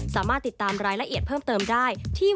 สามารถติดตามรายละเอียดเพิ่มเติมได้ที่